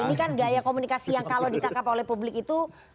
ini kan gaya komunikasi yang kalau ditangkap oleh publik itu